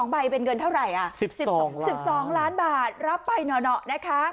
ใบเป็นเงินเท่าไหร่๑๒ล้านบาทรับไปหน่อนะคะ